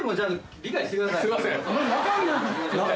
すいません。